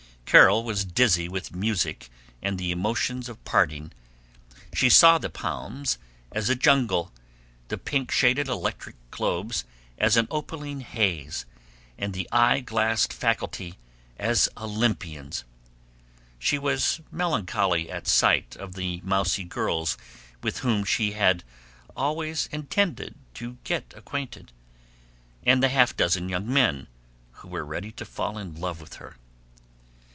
Carol was dizzy with music and the emotions of parting. She saw the palms as a jungle, the pink shaded electric globes as an opaline haze, and the eye glassed faculty as Olympians. She was melancholy at sight of the mousey girls with whom she had "always intended to get acquainted," and the half dozen young men who were ready to fall in love with her.